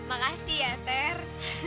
makasih ya ter